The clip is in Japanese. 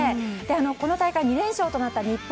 この大会、２連勝となった日本